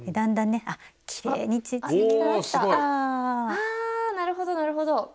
あなるほどなるほど。